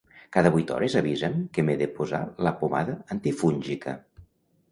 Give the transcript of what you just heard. Cada vuit hores avisa'm que m'he de posar la pomada antifúngica.